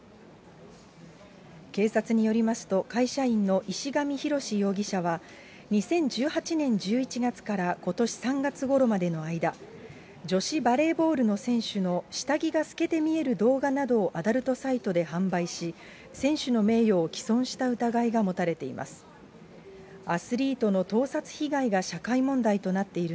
警察によりますと、会社員の石上ひろし容疑者は２０１８年１１月からことし３月ごろまでの間、女子バレーボールの選手の下着が透けて見える動画などをアダルトサイトで販売し、選手の名誉を棄損した疑いが持たれています。